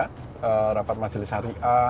rapat rapat majelis hariah